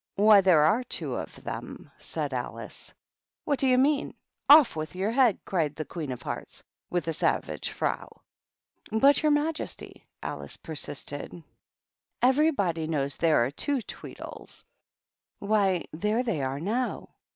" Why, there are two of them !" said Alice. "What do you mean? Off with your head cried the Queen of Hearts, with a savage frow "But, your majesty," Alice persisted, "ever THE TWEEDLES. 269 body knows there are two Tweedles, — ^why, there they are now!"